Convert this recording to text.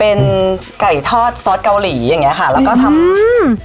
เป็นไก่ทอดซอสเกาหลีอย่างเงี้ค่ะแล้วก็ทำอืม